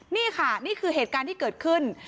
นี่ค่ะนี่คือเหตุการณ์ที่เกิดขึ้น